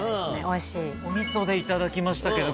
おみそでいただきましたけど。